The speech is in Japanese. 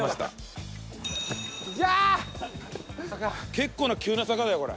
結構な急な坂だよこれ。